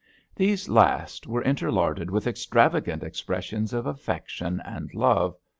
These last were interlarded with extravagant expressions of affection and love.